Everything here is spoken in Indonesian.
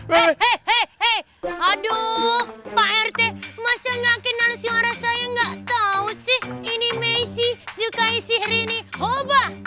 hei hei hei hei aduh pak rt masa gak kenal si orang saya gak tau sih ini maisy si kc rini oba